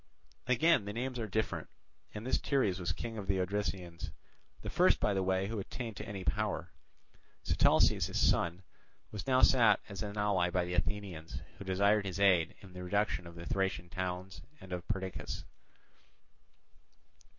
Again the names are different; and this Teres was king of the Odrysians, the first by the way who attained to any power. Sitalces, his son, was now sought as an ally by the Athenians, who desired his aid in the reduction of the Thracian towns and of Perdiccas.